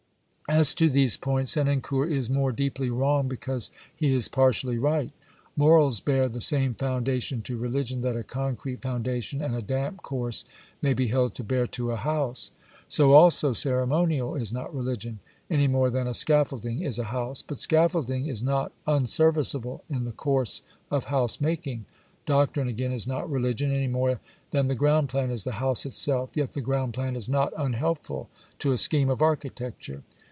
As to these points Senancour is more deeply wrong because he is partially right. Morals bear the same foundation to religion that a concrete foundation and a damp course may be held to bear to a house; so Ixxvlii INTRODUCTION also ceremonial is not religion, any more than a scaffolding is a house, but scaffolding is not unserviceable in the course of house making ; doctrine again is not religion, any more than the ground plan is the house itself, yet the ground plan is not unhelpful to a scheme of architecture.